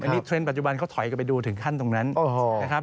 อันนี้เทรนด์ปัจจุบันเขาถอยกันไปดูถึงขั้นตรงนั้นนะครับ